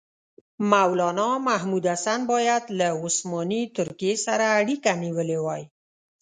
مولنا محمودالحسن باید له عثماني ترکیې سره اړیکه نیولې وای.